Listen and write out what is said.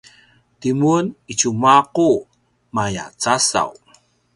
timun i tjumaqu maya casaw